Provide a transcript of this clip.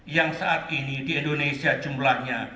yang saat ini di indonesia jumlahnya